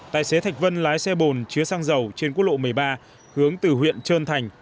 tài xế thạch vân lái xe bồn chứa xăng dầu trên quốc lộ một mươi ba hướng từ huyện trơn thành